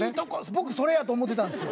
僕それやと思ってたんですよ。